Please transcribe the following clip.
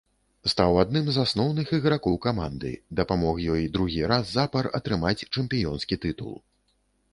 Стаў адным з асноўных ігракоў каманды, дапамог ёй другі раз запар атрымаць чэмпіёнскі тытул.